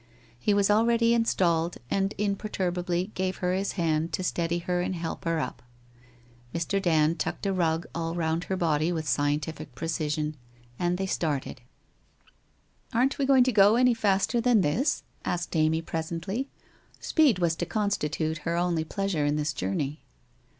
He was already installed and imperturbably gave her his hand to steady her and help her up. Mr. Dand tucked a rug all round her body with scientific precision, and they started. 96 WHITE ROSE OF WEARY LEAF 97 ' Aren't we going to go any faster than this ?' asked Amy presently; speed was to constitute her only pleasure in this journey.